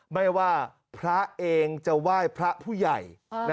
ไม่ว่าพระเองจะไหว้พระผู้ใหญ่